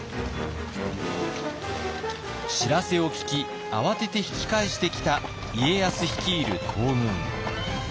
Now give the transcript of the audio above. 知らせを聞き慌てて引き返してきた家康率いる東軍。